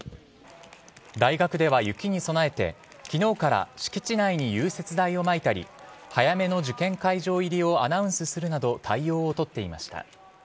大学では雪に備えて昨日から敷地内に融雪剤をまいたり早めの受験会場入りをアナウンスするなど対応を取っています。